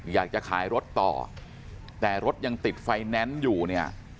อยากจะขายรถต่อแต่รถยังติดไฟแนนซ์อยู่เนี่ย